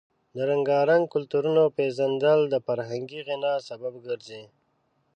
د رنګارنګ کلتورونو پیژندل د فرهنګي غنا سبب ګرځي.